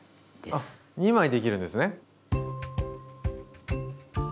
あ２枚できるんですね。